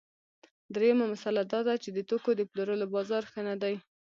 درېیمه مسئله دا ده چې د توکو د پلورلو بازار ښه نه دی